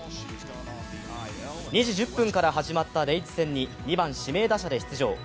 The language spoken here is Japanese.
２時１０分から始まったレイズ戦に２番・指名打者で出場。